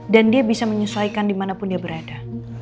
dan dia bisa menyesuaikan dimanapun dia berada